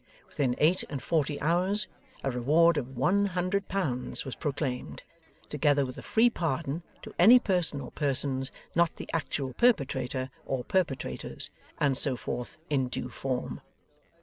Within eight and forty hours, a reward of One Hundred Pounds was proclaimed, together with a free pardon to any person or persons not the actual perpetrator or perpetrators, and so forth in due form.